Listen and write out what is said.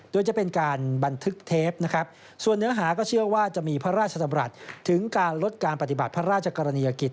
โดยจะเป็นการบันทึกเทปนะครับส่วนเนื้อหาก็เชื่อว่าจะมีพระราชดำรัฐถึงการลดการปฏิบัติพระราชกรณียกิจ